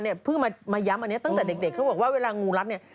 เหมือนมันรู้มันรู้ว่ามันจะกินเหยื่อยังไง